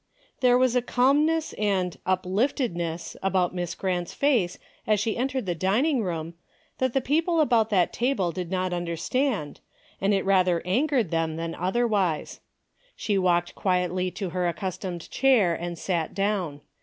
There was a calmness and " upliftedness " about Miss Grant's face as she entered the dining room that the people about that table did not understand, and it rather angered them than otherwise. She walked quietly to her accustomed chair and sat down.